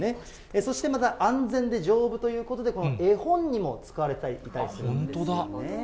そしてまた、安全で丈夫ということで、絵本にも使われていたりするんですよね。